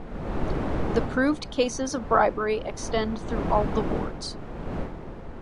The proved cases of bribery extend through all the wards.